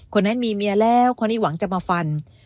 คนนั้นมีเมียแล้วคนนี้หวังจะมาฟัน